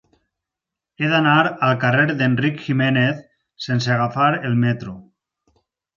He d'anar al carrer d'Enric Giménez sense agafar el metro.